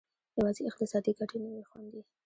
یوازې اقتصادي ګټې نه وې خوندي.